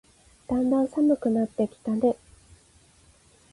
だんだん寒くなってきたね。